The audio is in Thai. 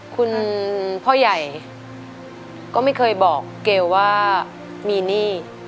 คุณพ่อใหญ่ก็ไม่เคยบอกเกลว่ามีหนี้